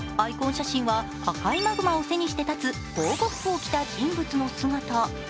写真は赤いマグマを背にして立つ防護服を着た人物の姿。